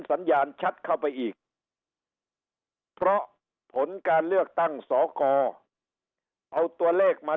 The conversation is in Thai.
สัญญาณชัดเข้าไปอีกเพราะผลการเลือกตั้งสกเอาตัวเลขมา